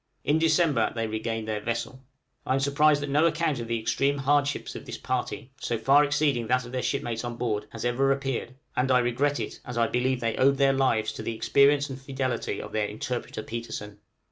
In December they regained their vessel. I am surprised that no account of the extreme hardships of this party so far exceeding that of their shipmates on board has ever appeared; and I regret it, as I believe they owed their lives to the experience and fidelity of their interpreter Petersen.